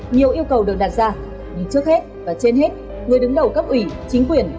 nhiều yêu cầu được đặt ra nhưng trước hết và trên hết người đứng đầu cấp ủy chính quyền